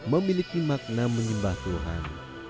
memiliki makna menyembah tuhan